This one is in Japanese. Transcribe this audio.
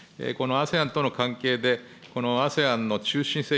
このＡＳＥＡＮとの関係で、ＡＳＥＡＮの中心性、